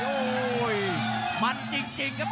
โอ้โหมันจริงครับ